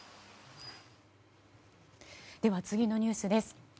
では、次のニュースです。